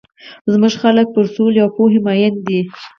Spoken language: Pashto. زموږ خلک پر سولي او پوهي مۀين دي.